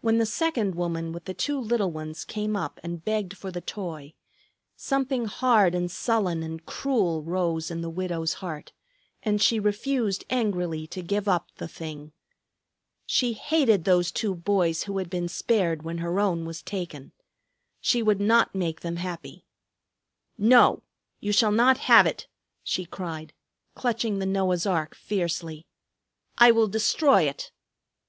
When the second woman with the two little ones came up and begged for the toy, something hard and sullen and cruel rose in the widow's heart, and she refused angrily to give up the thing. She hated those two boys who had been spared when her own was taken. She would not make them happy. "No, you shall not have it," she cried, clutching the Noah's ark fiercely. "I will destroy it."